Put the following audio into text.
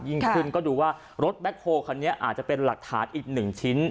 ยิ่งขึ้นก็ดูว่ารถแบ็คโฮลคันนี้อาจจะเป็นหลักฐานอีกหนึ่งชิ้น